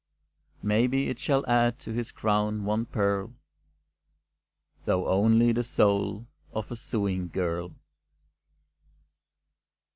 Maybe it shall add to his crown one pearl, Though only the soul of a sewing girl.